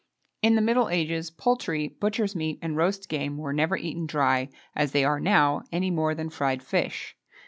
In the middle ages, poultry, butchers' meat, and roast game, were never eaten dry, as they are now, any more than fried fish.